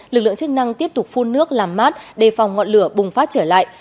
lực lượng chức năng tiếp tục phun nước làm mát đề phòng ngọn lửa bùng phát trở lại